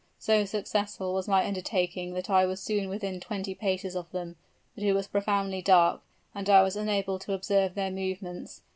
So successful was my undertaking that I was soon within twenty paces of them. But it was profoundly dark, and I was unable to observe their movements.